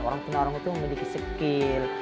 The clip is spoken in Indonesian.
orang tuna rungu itu memiliki skill